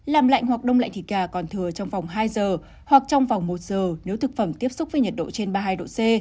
làm lạnh hoặc đông lạnh thịt gà còn thừa trong vòng hai giờ hoặc trong vòng một giờ nếu thực phẩm tiếp xúc với nhiệt độ trên ba mươi hai độ c